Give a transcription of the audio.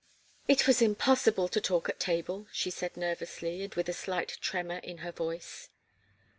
"It was impossible to talk at table," she said nervously, and with a slight tremor in her voice.